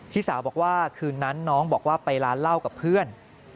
พี่สาวบอกว่าคืนนั้นน้องบอกว่าไปร้านเหล้ากับเพื่อน